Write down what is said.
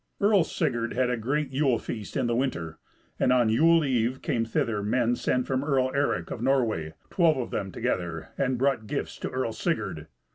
Earl Sigurd had a great Yule feast in the winter, and on Yule eve came thither men sent from Earl Eric of Norway, twelve of them together, and brought gifts to Earl Sigurd.